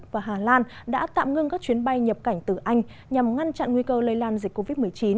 những nước châu âu như pháp đức và hà lan đã tạm ngưng các chuyến bay nhập cảnh từ anh nhằm ngăn chặn nguy cơ lây lan dịch covid một mươi chín